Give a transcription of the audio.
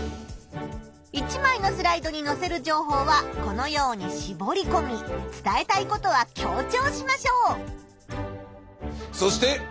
１まいのスライドにのせる情報はこのようにしぼりこみ伝えたいことは強調しましょう！